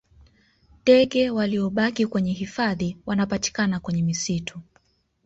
Tdege waliyobaki kwenye hifadhi wanapatikana kwenye misitu